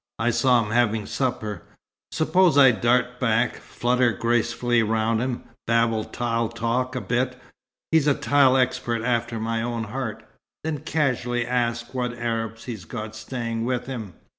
I saw him having supper. Suppose I dart back, flutter gracefully round him, babble 'tile talk' a bit he's a tile expert after my own heart then casually ask what Arabs he's got staying with him.